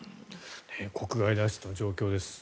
国外脱出の状況です。